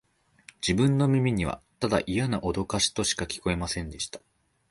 自分の耳には、ただイヤなおどかしとしか聞こえませんでした